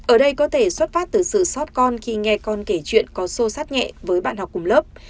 ở đây có thể xuất phát từ sự sót con khi nghe con kể chuyện có xô sát nhẹ với bạn học cùng lớp